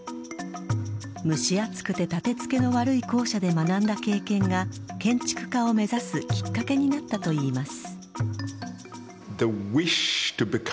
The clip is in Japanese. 蒸し暑くて立て付けの悪い校舎で学んだ経験が建築家を目指すきっかけになったといいます。